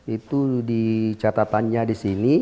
itu di catatannya di sini